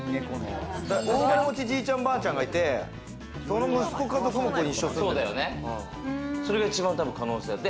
大金持ちじいちゃん、ばあちゃんがいて、その息子家族も一緒に住それが一番可能性ある。